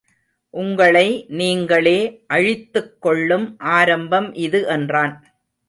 உங்களை நீங்களே அழித்துக் கொள்ளும் ஆரம்பம் இது என்றான்.